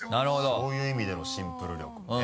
そういう意味でのシンプル力ね。